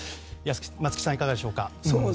松木さん、いかがでしょうか。